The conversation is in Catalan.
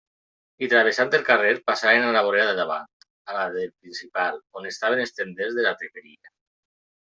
I travessant el carrer, passaren a la vorera de davant, a la del Principal, on estaven els tenders de la triperia.